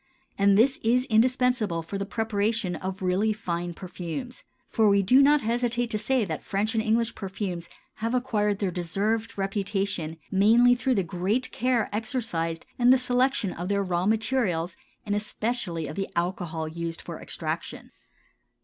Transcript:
And this is indispensable for the preparation of really fine perfumes, for we do not hesitate to say that French and English perfumes have acquired their deserved reputation mainly through the great care exercised in the selection of their raw materials, and especially of the alcohol used for extraction.